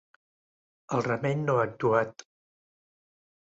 El remei no ha actuat.